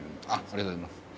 ありがとうございます。